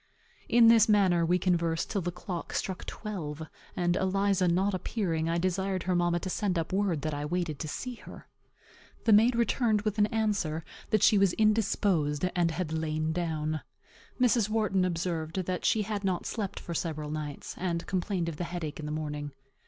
In this manner we conversed till the clock struck twelve; and, Eliza not appearing, I desired her mamma to send up word that I waited to see her. The maid returned with an answer that she was indisposed, and had lain down. Mrs. Wharton observed that she had not slept for several nights, and complained of the headache in the morning.